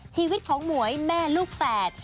ชีวิตของหมวยแม่ลูกแฝด